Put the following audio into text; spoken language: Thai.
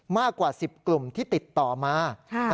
มากกว่า๑๐กลุ่มที่ติดต่อมา